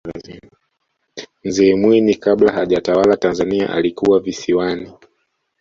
mzee mwinyi kabla hajatawala tanzania alikuwa visiwani